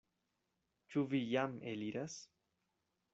Ĉu vi jam eliras?